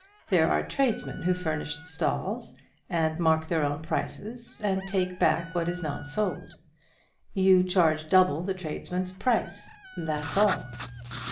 There are tradesmen who furnish the stalls, and mark their own prices, and take back what is not sold. You charge double the tradesman's price, that's all."